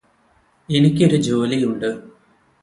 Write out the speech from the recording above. എനിക്കൊരു ജോലിയുണ്ട്